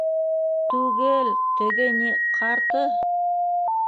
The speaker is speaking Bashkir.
Түге-ел, теге ни... ҡарты!